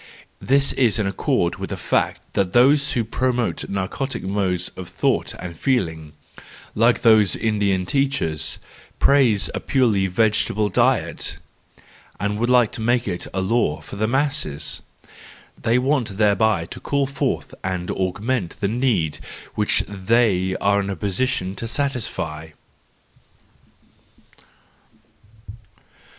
This is in accord with the fact that those who promote narcotic modes of thought and feeling, like those Indian teachers, THE JOYFUL WISDOM, III l8l praise a purely vegetable diet, and would like to make it a law for the masses: they want thereby to call forth and augment the need which they are in a position to satisfy.